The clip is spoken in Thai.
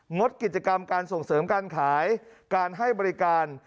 งดกิจกรรมการส่งเสริมการขายการให้บริการ